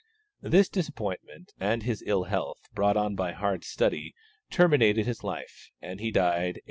This disappointment and his ill health, brought on by hard study, terminated his life, and he died A.